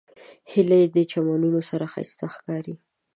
هیلۍ د چمنونو سره ښایسته ښکاري